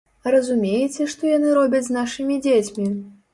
Разумееце, што яны робяць з нашымі дзецьмі?